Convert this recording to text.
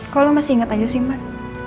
kok lo masih inget aja sih man